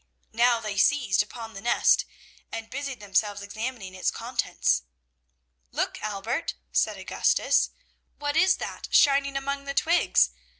Now they seized upon the nest and busied themselves examining its contents. "'Look, Albert!' said Augustus, 'what is that shining among the twigs?